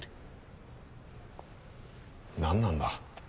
何なんだ。